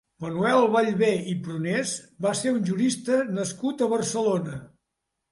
Manuel Ballbé i Prunés va ser un jurista nascut a Barcelona.